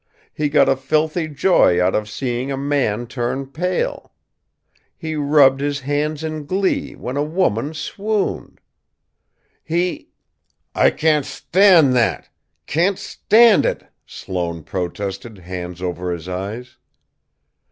He got a filthy joy out of seeing a man turn pale. He rubbed his hands in glee when a woman swooned. He " "I can't stand that can't stand it!" Sloane protested, hands over his eyes.